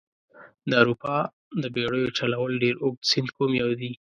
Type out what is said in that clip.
د اروپا د بیړیو چلولو ډېر اوږد سیند کوم یو دي؟